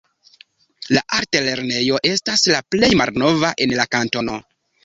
La altlernejo estas la plej malnova en la kantono.